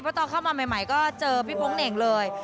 ตอนเข้ามาใหม่ก็เจอพี่โป๊งเหน่งเลย